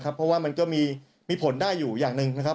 เพราะว่ามันก็มีผลได้อยู่อย่างหนึ่งนะครับ